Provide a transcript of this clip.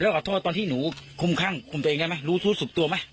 แล้วก็ขอโทษตอนที่หนูคุ้มข้างคุมตัวเองได้มั้ยรู้รู้สึกตัวมั้ย